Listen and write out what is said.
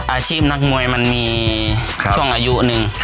อาชีพนักมวยมันมีช่วงอายุหนึ่ง